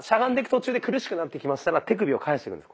途中で苦しくなってきましたら手首を返していくんです。